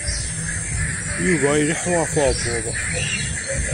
Yuba a ileḥḥu ɣef uɛebbuḍ.